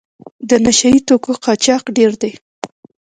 د نشه یي توکو قاچاق ډېر دی.